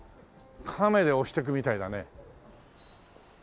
亀で推していくみたいだね。